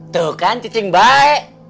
tuh kan cacing baik